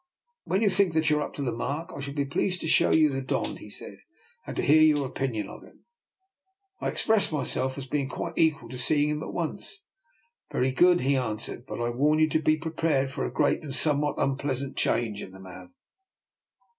" When you think you are up to the mark, I shall be pleased to show you the Don," he said, " and to hear your opinion of him." I expressed myself as being quite equal to seeing him at once. " Very good," he answered, " but I warn you to be prepared for a great and somewhat unpleasant change in the man."